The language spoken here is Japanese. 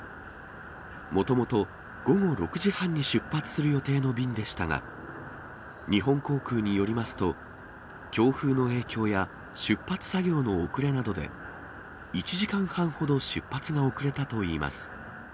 もともと午後６時半に出発する予定の便でしたが、日本航空によりますと、強風の影響や出発作業の遅れなどで、１時間半ほど出発が遅れたといいます。